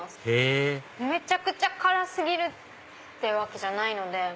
へぇめちゃくちゃ辛過ぎるってわけじゃないので。